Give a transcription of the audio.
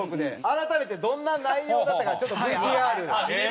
改めてどんな内容だったかちょっとＶＴＲ。